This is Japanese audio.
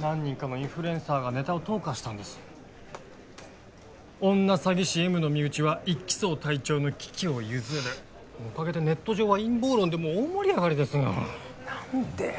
何人かのインフルエンサーがネタを投下したんです「女詐欺師Ｍの身内は１機捜隊長の桔梗ゆづる」おかげでネット上は陰謀論で大盛り上がりですよ何で！？